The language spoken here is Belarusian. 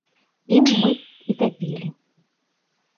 Ім мы і тапілі.